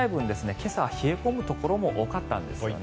今朝は冷え込むところも多かったんですよね。